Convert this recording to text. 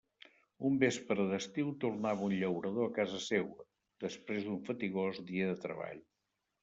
Un vespre d'estiu tornava un llaurador a casa seua, després d'un fatigós dia de treball.